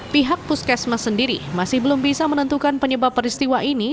pihak puskesmas sendiri masih belum bisa menentukan penyebab peristiwa ini